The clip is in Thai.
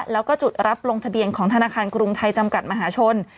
แล้วก็จุดรับลงทะเบียนของธนาคารกรุงไทยจำกัดมหาชน